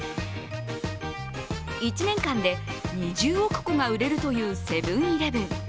１年間で２０億個が売れるというセブン−イレブン。